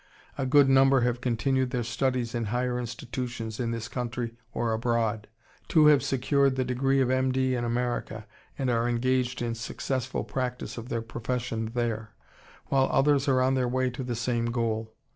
A good number have continued their studies in higher institutions in this country or abroad. Two have secured the degree of M. D. in America, and are engaged in successful practice of their profession there, while others are on their way to the same goal.